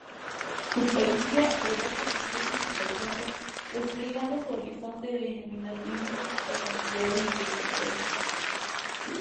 Su poesía evoca sucesos y paisajes desplegando un horizonte de ilimitadas posibilidades de interpretación.